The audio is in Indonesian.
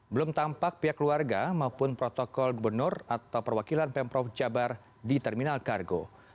belum tampak pihak keluarga maupun protokol gubernur atau perwakilan pemprov jabar di terminal kargo